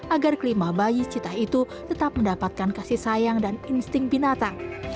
agar kelima bayi citah itu tetap mendapatkan kasih sayang dan insting binatang